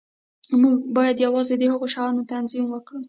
موږ باید یوازې د هغو شیانو تعظیم وکړو